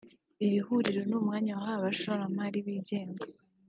Iri huriro ni umwanya wahawe abashoramari bigenga